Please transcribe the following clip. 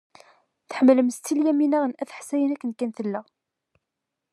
Tḥemmlem Setti Lyamina n At Ḥsayen akken kan tella.